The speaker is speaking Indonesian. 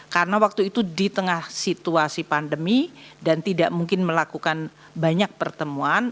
karena waktu itu di tengah situasi pandemi dan tidak mungkin melakukan banyak pertemuan